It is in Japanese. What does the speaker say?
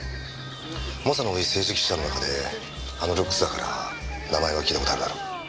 猛者の多い政治記者の中であのルックスだから名前は聞いた事あるだろ。